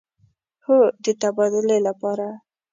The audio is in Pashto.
هو، د تبادلې لپاره